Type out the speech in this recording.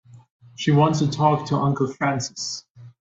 She wants to talk to Uncle Francis.